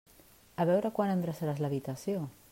A veure quan endreçaràs l'habitació.